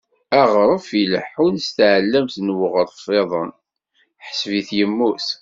Aɣref ileḥḥun s tɛellamt n weɣref-iḍen, ḥseb-it yemmut.